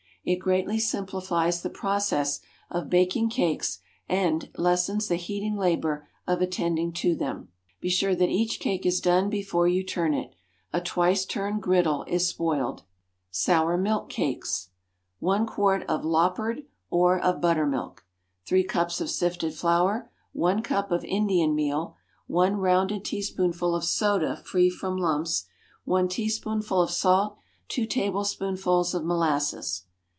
It greatly simplifies the process of baking cakes, and, lessens the heating labor of attending to them. Be sure that each cake is done before you turn it. A twice turned "griddle" is spoiled. Sour milk Cakes. One quart of "loppered," or of buttermilk. Three cups of sifted flour. One cup of Indian meal. One "rounded" teaspoonful of soda free from lumps. One teaspoonful of salt. Two tablespoonfuls of molasses.